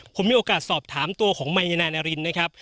ผมมีโอกาสสอบถามตัวของมายนายนารินนะครับ